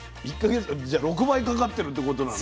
じゃ６倍かかってるってことなの？